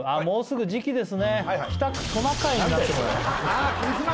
もうすぐ時期ですね